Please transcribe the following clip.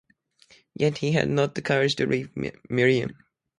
Yet he had not the courage to leave Miriam.